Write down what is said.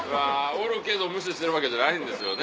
おるけど無視してるわけじゃないんですよね。